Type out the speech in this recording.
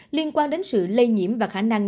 liên quan đến sự lây nhiễm và khả năng